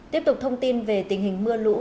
tiếp tục thông tin về tình hình mưa lụa